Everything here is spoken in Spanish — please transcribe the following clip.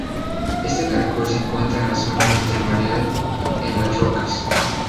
Este caracol se encuentra en la zona intermareal en las rocas.